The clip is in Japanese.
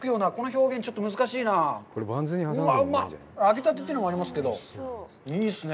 揚げたてというのもありますけど、いいですね。